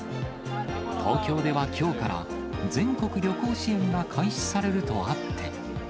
東京ではきょうから、全国旅行支援が開始されるとあって。